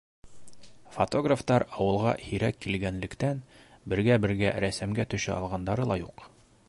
Фотографтар ауылға һирәк килгәнлектән, бергә-бергә рәсемгә төшә алғандары ла юҡ.